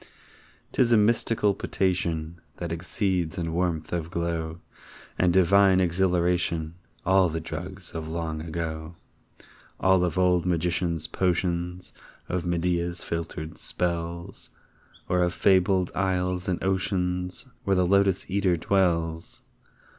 'Tis a mystical potation That exceeds in warmth of glow And divine exhilaration All the drugs of long ago All of old magicians' potions Of Medea's filtered spells Or of fabled isles and oceans Where the Lotos eater dwells!